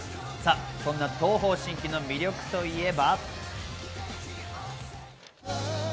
そんな東方神起の魅力といえば。